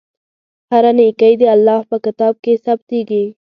هره نېکۍ د الله په کتاب کې ثبتېږي.